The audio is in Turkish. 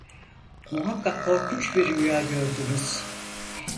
Muhakkak korkunç bir rüya gördünüz!